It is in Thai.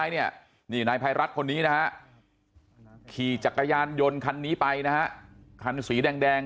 นี่ไปนะฮะคันสีแดง